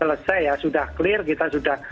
selesai ya sudah clear kita sudah